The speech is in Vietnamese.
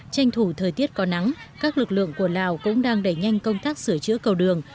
tranh thủ thời tiết có nắng các lực lượng của lào cũng đang đẩy nhanh công tác sửa chữa cầu đường